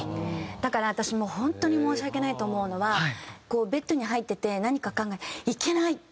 だから私もう本当に申し訳ないと思うのはベッドに入ってて何かいけない！